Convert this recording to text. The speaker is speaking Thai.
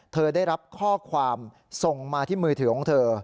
ได้รับข้อความส่งมาที่มือถือของเธอ